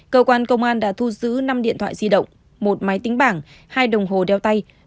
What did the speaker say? cơ quan công an đã thu giữ năm điện thoại di động một máy tính bảng hai đồng hồ đeo tay